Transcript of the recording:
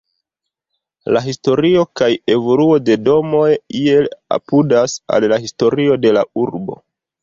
La historio kaj evoluo de domoj iel apudas al la historio de la urbo.